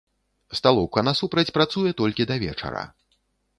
Сталоўка насупраць працуе толькі да вечара.